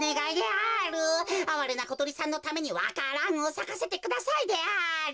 あわれなことりさんのためにわか蘭をさかせてくださいである。